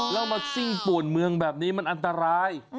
แล้วมาซิ่งป่วนเมืองแบบนี้มันอันตราย